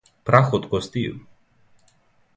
Прах од костију?